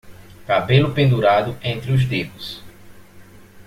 Cabelo pendurado entre os dedos